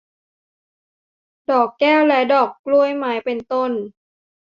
ดอกแก้ว และดอกกล้วยไม้ เป็นต้น